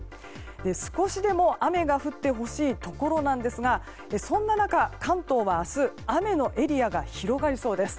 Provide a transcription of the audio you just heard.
少しでも雨が降ってほしいところなんですがそんな中、関東は明日雨のエリアが広がりそうです。